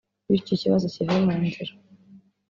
bityo ikibazo kive mu nzira